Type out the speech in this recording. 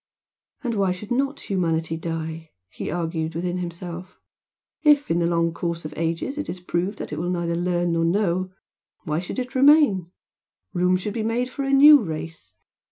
"And why should not humanity die?" he argued within himself "If, in the long course of ages, it is proved that it will neither learn nor know, why should it remain? Room should be made for a new race!